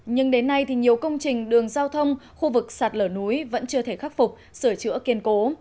nhưng đến nay thì nhiều công trình đường giao thông khu vực sạt lở núi vẫn chưa thể khắc phục sửa chữa kiên cố